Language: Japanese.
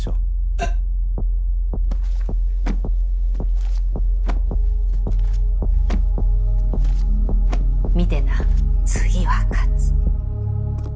えっ⁉見てな次は勝つ。